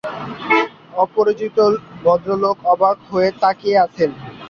অপরিচিত ভদ্রলোক অবাক হয়ে তাকিয়ে আছেন।